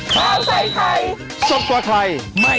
โปรดติดตามตอนต่อไป